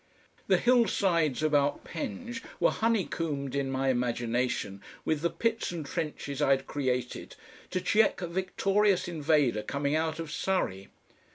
The hillsides about Penge were honeycombed in my imagination with the pits and trenches I had created to check a victorious invader coming out of Surrey.